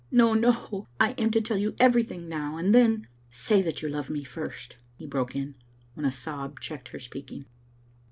" No, no, I am to tell you everything now, and then " "Say that yon love me first," he broke in, when a sob checked her speaking.